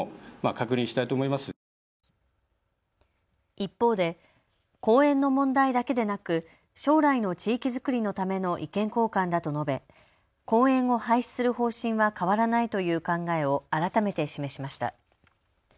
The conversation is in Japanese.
一方で公園の問題だけでなく将来の地域づくりのための意見交換だと述べ公園を廃止する方針は変わらないという考えを改めて示しました。